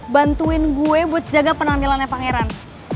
bantuin gue buat jaga penampilannya pangeran